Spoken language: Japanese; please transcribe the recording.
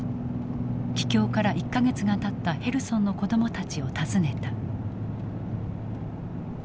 帰郷から１か月がたったヘルソンの子どもたちを訪ねた。